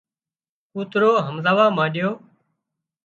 ڪوترو همزوا مانڏيو